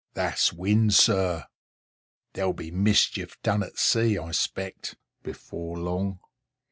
"That's wind, sir. There'll be mischief done at sea, I expect, before long."